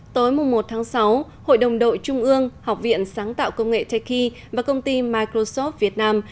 tối một sáu hội đồng đội trung ương học viện sáng tạo công nghệ techie và công ty microsoft việt nam